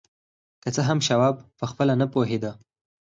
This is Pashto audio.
که څه هم شواب پخپله نه پوهېده